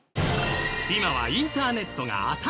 今はインターネットが当たり前！